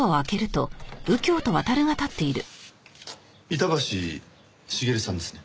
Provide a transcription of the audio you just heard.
板橋茂さんですね？